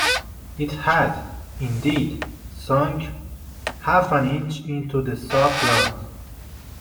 It had, indeed, sunk half an inch into the soft ground.